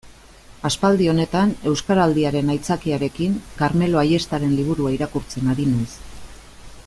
Aspaldi honetan, Euskaraldiaren aitzakiarekin, Karmelo Ayestaren liburua irakurtzen ari naiz.